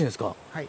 はい。